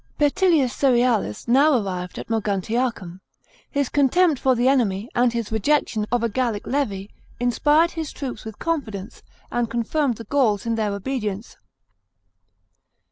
§ 11. Petillius Cerealis now arrived at Moguntiacum. His con tempt for the enemy, and his rejection of a Gallic levy, inspired his troops with confidence and confirmed the Gauls in their obedience.